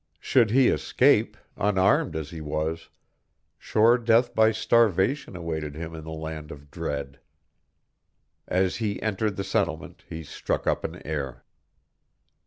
Should he escape, unarmed as he was, sure death by starvation awaited him in the land of dread. As he entered the settlement he struck up an air.